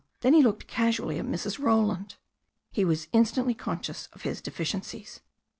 Then he looked casually at Mrs. Roland. He was instantly conscious of his deficiencies.